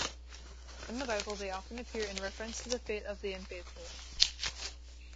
In the Bible, they often appear in reference to the fate of the unfaithful.